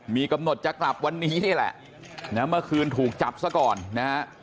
มีกำหนดจะกลับวันนี้นี่แหละนะเมื่อคืนถูกจับซะก่อนนะฮะ